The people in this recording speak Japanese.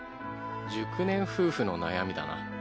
熟年夫婦の悩みだな。